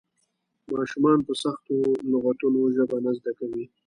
ماشومان په سختو لغتونو ژبه نه زده کوي.